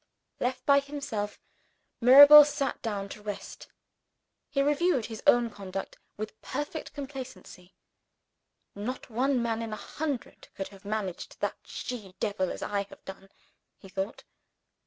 Left by himself, Mirabel sat down to rest. He reviewed his own conduct with perfect complacency. "Not one man in a hundred could have managed that she devil as I have done," he thought.